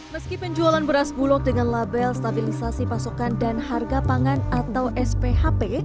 meski penjualan beras bulog dengan label stabilisasi pasokan dan harga pangan atau sphp